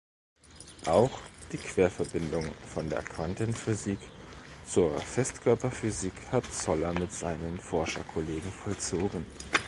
Auch die Querverbindung von der Quantenphysik zur Festkörperphysik hat Zoller mit seinen Forscherkollegen vollzogen.